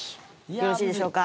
よろしいでしょうか